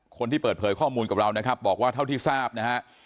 คนที่เปิดเผยข้อมูลกับเรานะครับบอกว่าเท่าที่ทราบนะฮะ